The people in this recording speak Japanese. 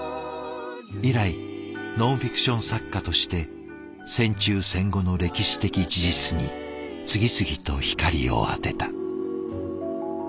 以来ノンフィクション作家として戦中戦後の歴史的事実に次々と光を当てた。